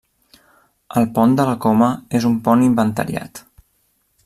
El Pont de Coma és un pont inventariat.